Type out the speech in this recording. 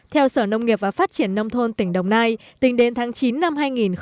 theo sở nông nghiệp và phát triển nông thôn tỉnh đồng nai tính đến tháng chín năm hai nghìn một mươi chín